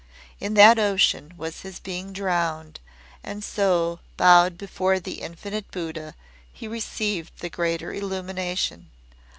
In that ocean was his being drowned, and so, bowed before the Infinite Buddha, he received the Greater Illumination.